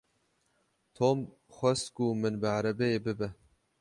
Tom xwest ku min bi erebeyê bibe.